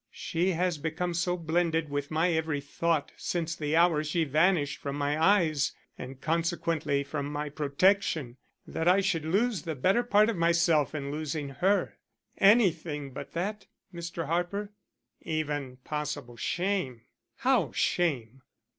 She has become so blended with my every thought since the hour she vanished from my eyes and consequently from my protection, that I should lose the better part of my self in losing her. Anything but that, Mr. Harper." "Even possible shame?" "How, shame?"